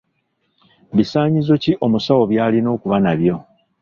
Bisaanyizo ki omusawo by'alina okuba nabyo?